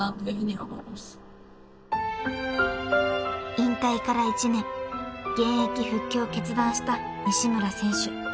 ［引退から１年現役復帰を決断した西村選手］